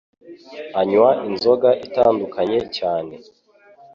anywa inzoga itandukanye cyane